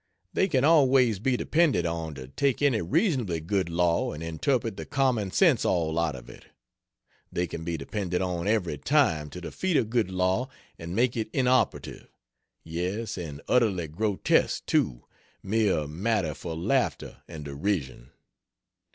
They can always be depended on to take any reasonably good law and interpret the common sense all out of it. They can be depended on, every time, to defeat a good law, and make it inoperative yes, and utterly grotesque, too, mere matter for laughter and derision.